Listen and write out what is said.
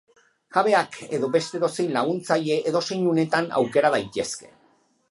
Jabeak edo beste edozein laguntzaile, edozein unetan aukera daitezke.